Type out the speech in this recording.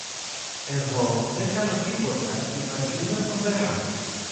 Εγώ δεν κάνω τίποτα και βαριούμαι φοβερά!